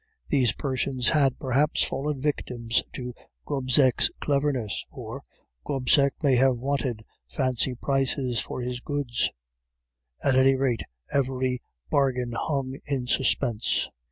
These persons had, perhaps, fallen victims to Gobseck's cleverness, or Gobseck may have wanted fancy prices for his goods; at any rate, every bargain hung in suspense.